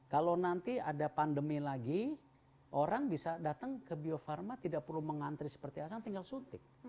kalau nanti ada pandemi lagi orang bisa datang ke bio farma tidak perlu mengantri seperti asal tinggal suntik